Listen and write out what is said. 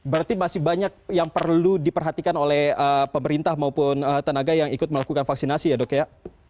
berarti masih banyak yang perlu diperhatikan oleh pemerintah maupun tenaga yang ikut melakukan vaksinasi ya dok ya